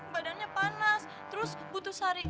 badannya panas terus butuh